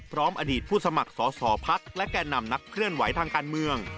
อดีตผู้สมัครสอสอพักและแก่นำนักเคลื่อนไหวทางการเมือง